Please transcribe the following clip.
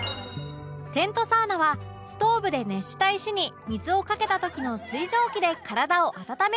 テントサウナはストーブで熱した石に水をかけた時の水蒸気で体を温めるサウナ